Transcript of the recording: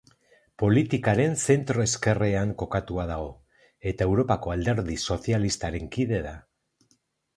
Politikaren zentro-ezkerrean kokatua dago, eta Europako Alderdi Sozialistaren kide da.